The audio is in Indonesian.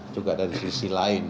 juga dari sisi lain